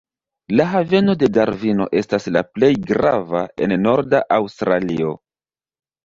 La haveno de Darvino estas la plej grava en norda Aŭstralio.